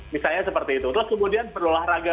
misalnya seperti itu terus kemudian berolahraga